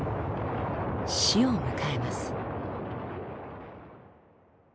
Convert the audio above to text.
死を迎えます。